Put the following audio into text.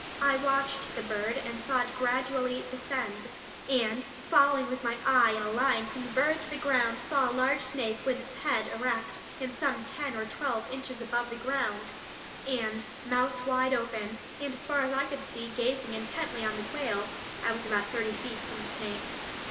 I watched the bird and saw it gradually descend, and following with my eye in a line from the bird to the ground saw a large snake with head erect and some ten or twelve inches above the ground, and mouth wide open, and as far as I could see, gazing intently on the quail (I was about thirty feet from the snake).